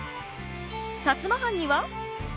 摩藩には。